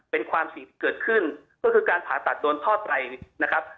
เป็นความเสี่ยงที่เกิดขึ้นก็คือการผ่าตัดโดนทอดไตรนะครับ